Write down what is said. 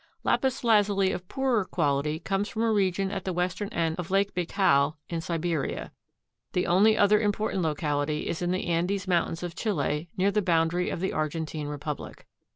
Lapis lazuli of poorer quality comes from a region at the western end of Lake Baikal in Siberia. The only other important locality is in the Andes Mts. of Chile near the boundary of the Argentine Republic.